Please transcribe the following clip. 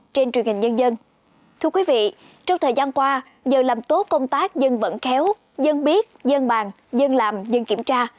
trong thời gian qua giờ làm tốt công tác dân vẫn khéo dân biết dân bàn dân làm dân kiểm tra